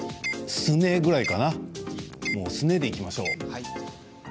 すねでいきましょう。